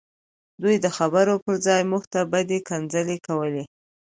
دوی د خبرو پرځای موږ ته بدې کنځلې کولې